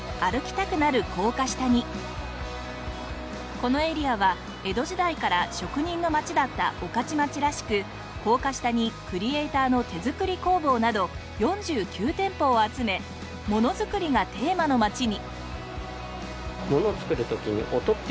このエリアは江戸時代から職人の街だった御徒町らしく高架下にクリエイターの手作り工房など４９店舗を集め「ものづくり」がテーマの街に！